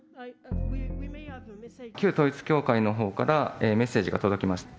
旧統一教会のほうからメッセージが届きました。